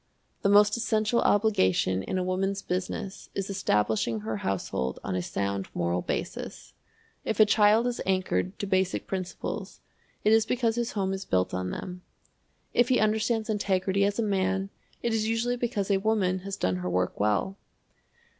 The most essential obligation in a Woman's Business is establishing her household on a sound moral basis. If a child is anchored to basic principles, it is because his home is built on them. If he understands integrity as a man, it is usually because a woman has done her work well.